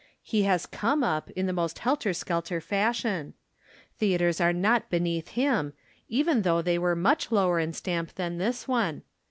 He has come up, in the most helter skelter fashion. The atres are not beneath him, even though they were much lower in stamp than this one.